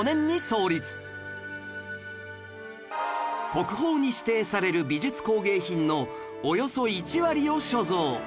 国宝に指定される美術工芸品のおよそ１割を所蔵